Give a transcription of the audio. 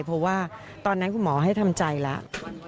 เพราะว่าตอนนั้นคุณหมอให้ทำใจแล้ว